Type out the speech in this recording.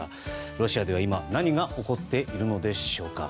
ロシアでは、今何が起こっているのでしょうか。